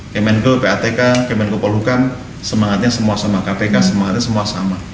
kemenko ppatk kemenko polhukam semangatnya semua sama kpk semangatnya semua sama